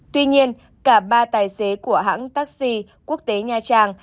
tuy nhiên cả ba tài xế của hãng taxi quốc tế nha trang